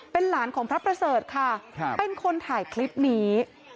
เป็นหลานของพระประเสริฐค่ะเป็นคนถ่ายคลิปนี้